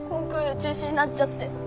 中止になっちゃって。